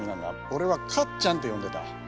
俺は「かっちゃん」って呼んでた。